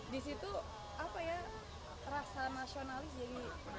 di situ apa ya rasa nasionalis jadi